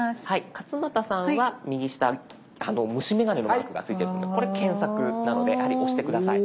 勝俣さんは右下虫眼鏡のマークがついているのでこれ検索なのでやはり押して下さい。